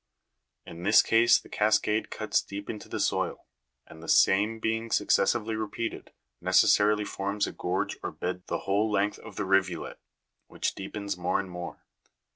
In this case the cascade cuts deep into the soil, and the same being successively repeated, necessarily forms a gorge or bed the whole length of the rivulet, which deepens more and more.